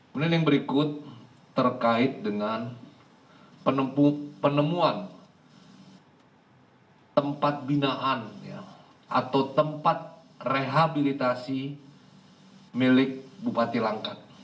kemudian yang berikut terkait dengan penemuan